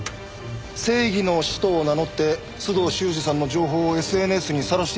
正義の使徒を名乗って須藤修史さんの情報をＳＮＳにさらしていたのは。